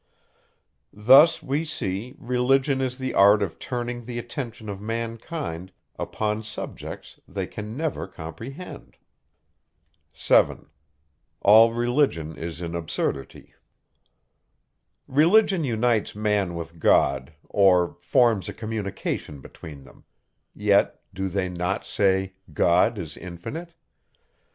Thus, we see, religion is the art of turning the attention of mankind upon subjects they can never comprehend. 7. Religion unites man with God, or forms a communication between them; yet do they not say, God is infinite?